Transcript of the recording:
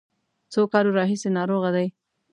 څو کالو راهیسې ناروغه دی.